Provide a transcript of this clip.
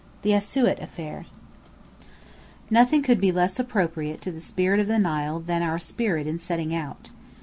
THE ASIUT AFFAIR Nothing could be less appropriate to the Spirit of the Nile than our spirit in setting out.